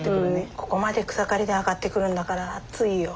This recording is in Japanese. ここまで草刈りで上がってくるんだから暑いよ。